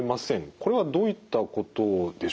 これはどういったことでしょうか？